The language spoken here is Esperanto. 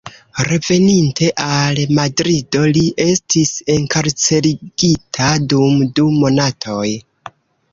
Reveninte al Madrido, li estis enkarcerigita dum du monatoj.